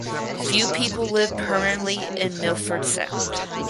Few people live permanently in Milford Sound.